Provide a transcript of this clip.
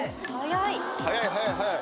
早い！